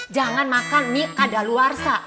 jangan makan mie kadal warsa